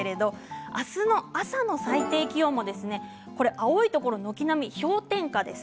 明日、朝の最低気温も青いところは軒並み氷点下です。